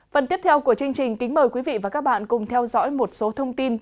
phần tiếp theo của chương trình kính mời quý vị và các bạn cùng theo dõi một số thông tin